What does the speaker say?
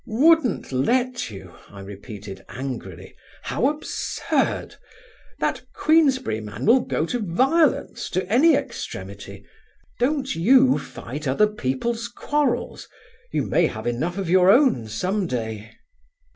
"'Wouldn't let you'? I repeated angrily. "How absurd! That Queensberry man will go to violence, to any extremity. Don't you fight other people's quarrels: you may have enough of your own some day."